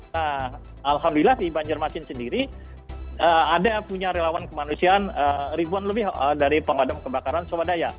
nah alhamdulillah di banjarmasin sendiri ada punya relawan kemanusiaan ribuan lebih dari pemadam kebakaran swadaya